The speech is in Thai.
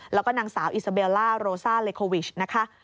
แล้วก็นางสาวอิสเบลล่าโรซ่าเลโควิชนะคะ